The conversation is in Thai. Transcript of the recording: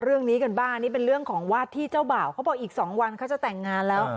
เรื่องนี้กันบ้างนี่เป็นเรื่องของวาดที่เจ้าบ่าวเขาบอกอีก๒วันเขาจะแต่งงานแล้ว